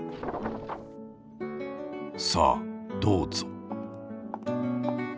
さあどうぞ。